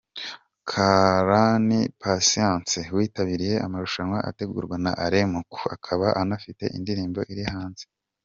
Karani Patience witabiriye amarushanwa ategurwa na Alain Muku akaba anafite indirimbo iri hanze.